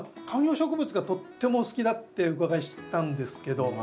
観葉植物がとってもお好きだってお伺いしたんですけど。